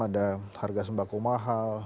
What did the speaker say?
ada harga sembako mahal